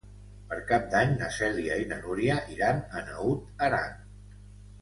Per Cap d'Any na Cèlia i na Núria iran a Naut Aran.